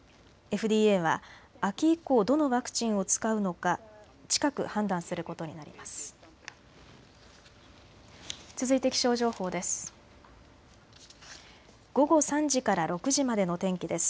ＦＤＡは秋以降、どのワクチンを使うのか近く判断することになります。